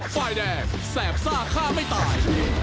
ไฟล์แดงแสบซากฆ่าไม่ตาย